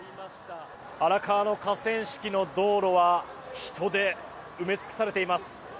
荒川の河川敷の道路は人で埋め尽くされています。